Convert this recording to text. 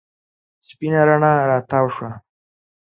سپېنه رڼا راتاو شوه.